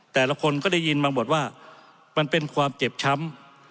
แต่ละคนก็ได้ยินมาหมดว่ามันเป็นความเจ็บช้ำ